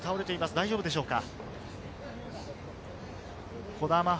大丈夫でしょうか？